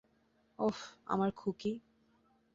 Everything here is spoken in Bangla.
ওহ, আমার খুকি।